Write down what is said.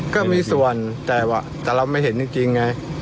ก็มีส่วนแต่ว่าแต่เราไม่เห็นจริงไง